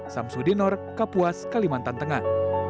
samsudinor kapuas kalimantan tengah